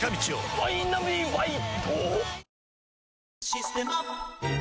「システマ」